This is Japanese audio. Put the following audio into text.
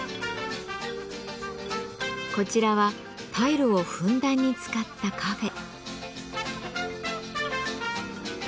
こちらはタイルをふんだんに使ったカフェ。